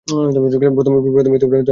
প্রথমে এই ধর্মধন উপার্জন কর।